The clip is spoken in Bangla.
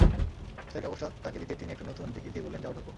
হাতের কাগজটা তাঁকে দিতেই তিনি একটা নতুন টিকিট দিয়ে বললেন, যাও, ঢোকো।